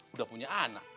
udah punya anak